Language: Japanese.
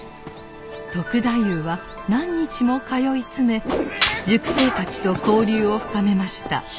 篤太夫は何日も通い詰め塾生たちと交流を深めました。